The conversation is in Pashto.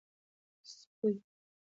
سپۍ